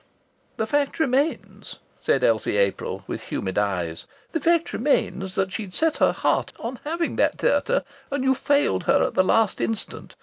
"The fact remains," said Elsie April, with humid eyes, "the fact remains that she'd set her heart on having that theatre, and you failed her at the last instant.